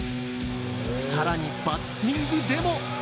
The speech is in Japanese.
さらに、バッティングでも。